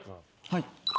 はい。